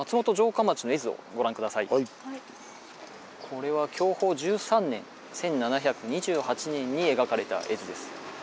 これは享保１３年１７２８年に描かれた絵図です。